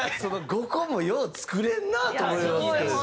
５個もよう作れるな！と思いますけどね。